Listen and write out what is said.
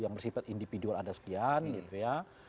yang bersifat individual ada sekian gitu ya